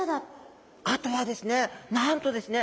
あとはですねなんとですね